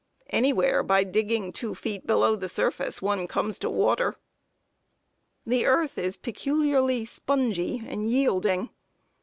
Anywhere, by digging two feet below the surface, one comes to water. The earth is peculiarly spongy and yielding.